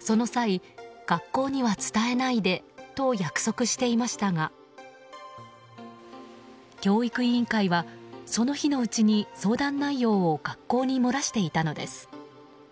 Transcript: その際、学校には伝えないでと約束していましたが教育委員会はその日のうちに相談内容を学校に漏らしていたのです。